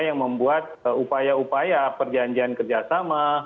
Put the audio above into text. yang membuat upaya upaya perjanjian kerjasama